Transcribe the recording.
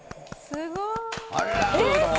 すごい。